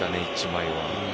１枚は。